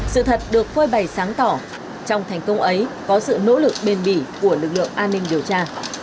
sự thật được phơi bày sáng tỏ trong thành công ấy có sự nỗ lực bền bỉ của lực lượng an ninh điều tra